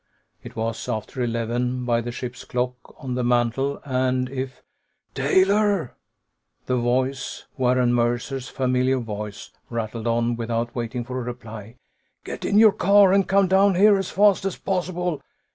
It was after eleven by the ship's clock on the mantel, and if "Taylor?" The voice Warren Mercer's familiar voice rattled on without waiting for a reply. "Get in your car and come down here as fast as possible.